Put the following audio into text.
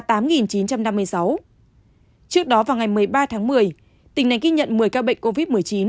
trước đó vào ngày một mươi ba tháng một mươi tỉnh này ghi nhận một mươi ca bệnh covid một mươi chín